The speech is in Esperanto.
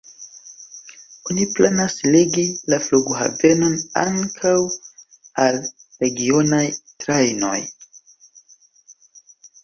Oni planas ligi la flughavenon ankaŭ al regionaj trajnoj.